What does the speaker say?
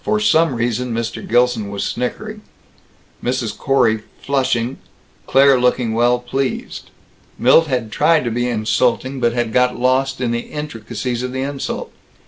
For some reason, Mr. Gilson was snickering, Mrs. Corey flushing, Claire looking well pleased. Milt had tried to be insulting, but had got lost in the intricacies of the insult.